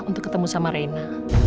untuk ketemu sama reina